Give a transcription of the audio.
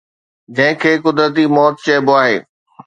جنهن کي قدرتي موت چئبو آهي